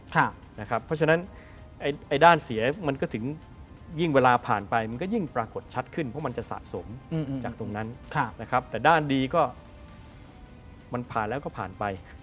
เพราะฉะนั้นด้านเสียมันก็ถึงยิ่งเวลาผ่านไปมันก็ยิ่งปรากฏชัดขึ้นเพราะมันจะสะสมจากตรงนั้นนะครับแต่ด้านดีก็มันผ่านแล้วก็ผ่านไป